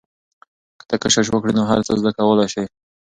که ته کوشش وکړې نو هر څه زده کولای سې.